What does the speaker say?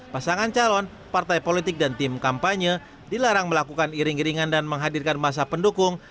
pasangan calon partai politik dan tim kampanye dilarang melakukan iring iringan dan menghadirkan masa pendukung